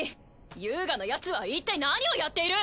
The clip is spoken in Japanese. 遊我のやつはいったい何をやっている！